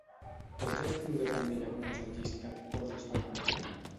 Pots escriure també llegums al llistat coses per comprar?